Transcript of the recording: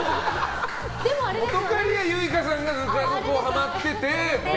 本仮屋ユイカさんがぬか床にハマっててって。